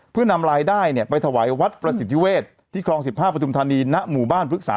เพื่อนำรายได้เนี่ยไปถวายวัดประสิทธิเวทที่คลอง๑๕ประทุมธนีย์ณหมู่บ้านภึกษา๑๗